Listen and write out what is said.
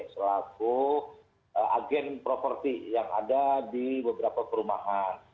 selaku agen properti yang ada di beberapa perumahan